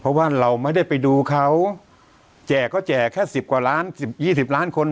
เพราะว่าเราไม่ได้ไปดูเขาแจกก็แจกแค่สิบกว่าล้านสิบยี่สิบล้านคน